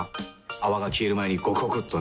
泡が消える前にゴクゴクっとね。